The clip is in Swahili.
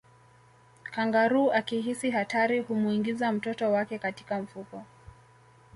kangaroo akihisi hatari humuingiza mtoto wake katika mfuko